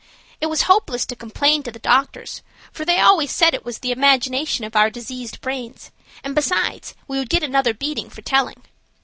It was hopeless to complain to the doctors, for they always said it was the imagination of our diseased brains, and besides we would get another beating for telling.